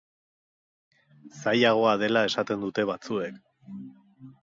Zailagoa dela esaten dute batzuek.